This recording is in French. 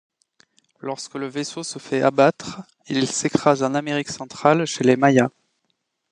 Lorsque le vaisseau se fait abattre, il s'écrase en Amérique centrale, chez les Mayas.